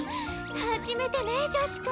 初めてね女子会。